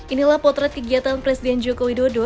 inilah potret kegiatan presiden joko widodo